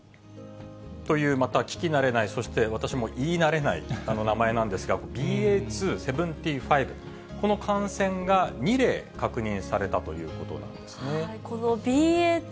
という、また聞き慣れない、そして私も言い慣れない名前なんですが、ＢＡ．２．７５、この感染が２例確認されたということなんですね。